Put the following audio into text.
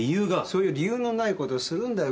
そういう理由のないことをするんだよ。